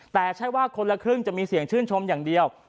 แต่ใช่ว่าคนละครึ่งจะมีเสียงชื่นชมอย่างเดียว